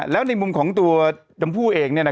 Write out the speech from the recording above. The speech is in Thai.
และในมุมของตัวน้ำผู้เอง